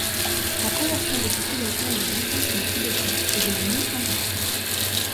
La conversion des populations au bouddhisme tibétain est devenu importante.